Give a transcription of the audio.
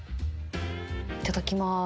いただきます。